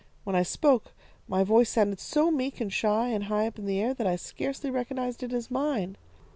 When I spoke, my voice sounded so meek and shy and high up in the air that I scarcely recognised it as mine.